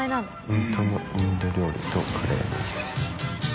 「ほんとのインド料理とカレーの店」